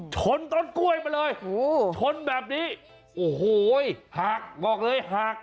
ชนต้นกล้วยมาเลยชนแบบนี้โอ้โหหักบอกเลยหัก